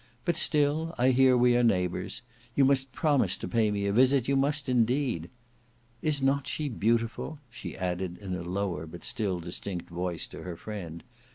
But still I hear we are neighbours; you must promise to pay me a visit, you must indeed. Is not she beautiful?" she added in a lower but still distinct voice to her friend.